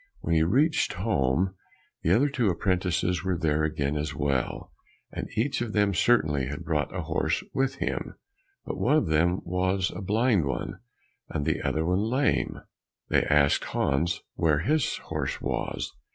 When he reached home, the two other apprentices were there again as well, and each of them certainly had brought a horse with him, but one of them was a blind one, and the other lame. They asked Hans where his horse was.